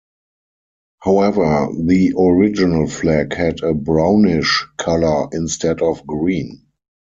However, the original flag had a brownish colour instead of green.